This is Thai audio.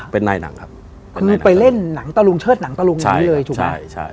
เป็นนายหนังครับคือไปเล่นหนังตะลุงเชิดหนังตะลุงอย่างนี้เลยถูกไหมใช่ใช่